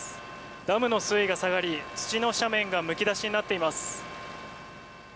ダムの水位が下がり、土の斜面がむき出しになっています。